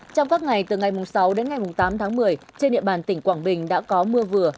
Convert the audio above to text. trong các ngày từ ngày sáu đến ngày tám tháng một mươi trên địa bàn tỉnh quảng bình đã có mưa vừa